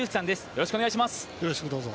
よろしくお願いします。